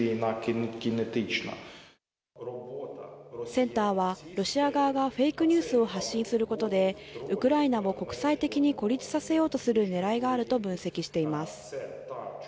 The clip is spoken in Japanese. センターはロシア側がフェイクニュースを発信することで、ウクライナを国際的に孤立させようとするねらいがあると分析しています。